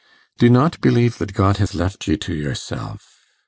'Do not believe that God has left you to yourself.